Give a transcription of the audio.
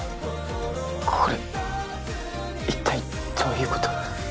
これ一体どういうこと？